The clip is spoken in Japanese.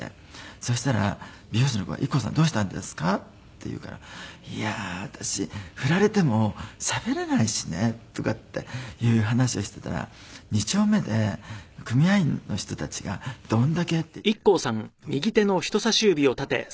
そしたら美容師の子が「ＩＫＫＯさんどうしたんですか？」って言うから「いや私振られてもしゃべれないしね」とかっていう話をしていたら「二丁目で組合員の人たちが“どんだけ”って言っているから“どんだけ”やればいいんじゃないですか？」